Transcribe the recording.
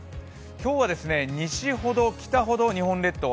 今日は西ほど、北ほど日本列島